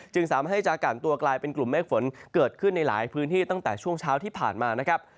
สามารถให้จะกันตัวกลายเป็นกลุ่มเมฆฝนเกิดขึ้นในหลายพื้นที่ตั้งแต่ช่วงเช้าที่ผ่านมานะครับ